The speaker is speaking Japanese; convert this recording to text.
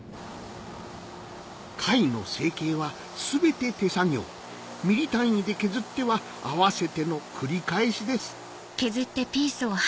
貝の成形は全て手作業ｍｍ単位で削っては合わせての繰り返しです